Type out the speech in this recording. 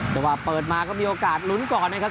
เปิดมาก็มีโอกาสลุ้นก่อนนะครับ